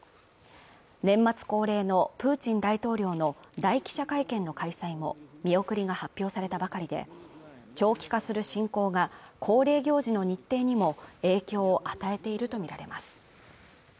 年末恒例のプーチン大統領の大記者会見の開催も見送りが発表されたばかりで長期化する侵攻が恒例行事の日程にも影響を与えていると見られます